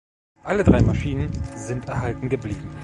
Alle drei Maschinen sind erhalten geblieben.